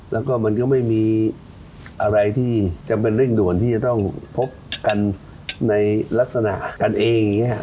แล้วก็มันก็ไม่มีอะไรที่จำเป็นเร่งด่วนที่จะต้องพบกันในลักษณะกันเองอย่างนี้ครับ